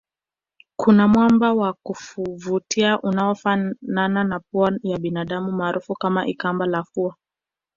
Kuna mwamba wa kuvutia unaofanana na pua ya binadamu maarufu kama ikamba la fua